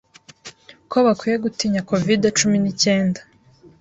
ko bakwiye gutinya Covid-cumi nicyenda